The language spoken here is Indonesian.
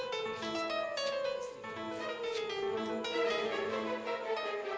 dia mau main kucing kucingan